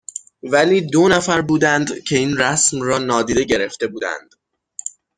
ولی دو نفر بودند که این رسم را نادیده گرفته بودند.